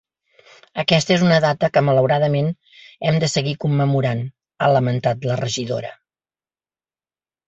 “Aquesta és una data que, malauradament, hem de seguir commemorant” ha lamentat la regidora.